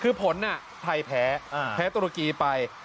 คือผลไทยแพ้แพ้ตุรกีไป